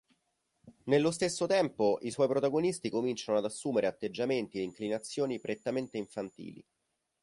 Nello stesso tempo, i suoi protagonisti cominciano ad assumere atteggiamenti e inclinazioni prettamente infantili.